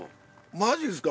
マジですか？